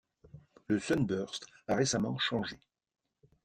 Le sunburst a récemment changé.